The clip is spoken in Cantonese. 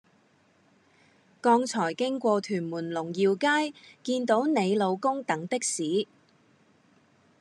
剛才經過屯門龍耀街見到你老公等的士